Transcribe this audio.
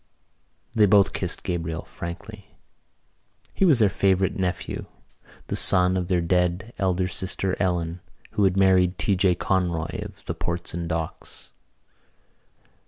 They both kissed Gabriel frankly. He was their favourite nephew, the son of their dead elder sister, Ellen, who had married T. J. Conroy of the Port and Docks.